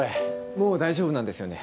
もう大丈夫なんですよね？